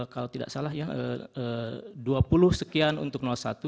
kalau tidak salah ya dua puluh sekian untuk satu